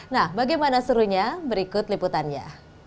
nah bagaimana serunya berikut liputannya